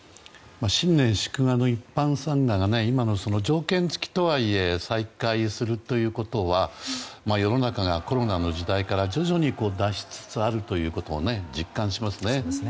新年祝賀の一般参賀が条件付きとはいえ再開するということは世の中がコロナの時代から徐々に脱しつつあることを実感しますね。